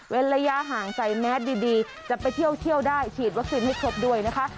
เป็นระยะห่างใส่แมสดีจะไปเที่ยวได้ฉีดวัคซีนให้ครบด้วยนะคะ